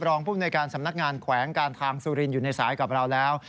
รองผู้ในการสำนักงานแขวงการทางจังหวัดสุรินอยู่ในสายกับเราแล้ว